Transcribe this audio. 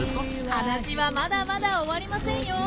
話はまだまだ終わりませんよ！